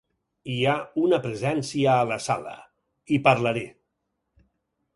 Hi ha una presència a la sala; hi parlaré.